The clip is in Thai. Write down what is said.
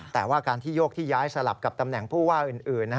แต่ว่าการที่โยกที่ย้ายสลับกับตำแหน่งผู้ว่าอื่น